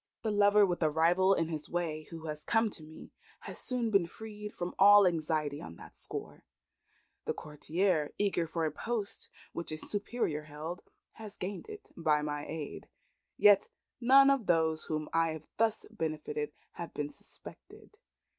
The lover with a rival in his way, who has come to me, has soon been freed from all anxiety on that score. The courtier, eager for a post which a superior held, has gained it by my aid. Yet none of those whom I have thus benefited have been suspected.